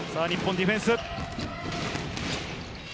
ディフェンス。